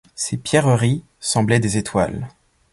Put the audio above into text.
Ces pierreries semblaient des étoiles.